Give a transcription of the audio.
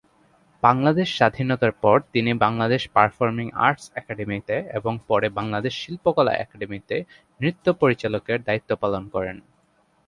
বাংলাদেশের স্বাধীনতার পর তিনি বাংলাদেশ পারফর্মিং আর্টস একাডেমিতে এবং পরে বাংলাদেশ শিল্পকলা একাডেমিতে নৃত্য পরিচালকের দায়িত্ব পালন করেন।